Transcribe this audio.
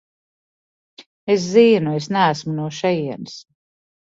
Es zinu, es neesmu no šejienes.